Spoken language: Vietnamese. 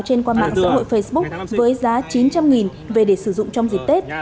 trên qua mạng xã hội facebook với giá chín trăm linh về để sử dụng trong dịp tết